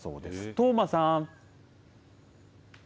當麻さん。